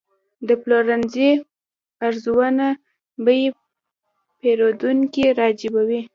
د پلورنځي ارزانه بیې پیرودونکي راجلبوي.